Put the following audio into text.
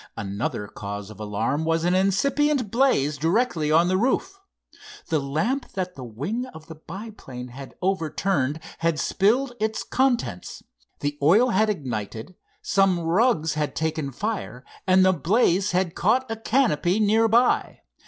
Another cause of alarm was an incipient blaze directly on the roof. The lamp that the wing of the biplane had overturned had spilled its contents. The oil had ignited, some rugs had taken fire, and the blaze had caught a canopy near by.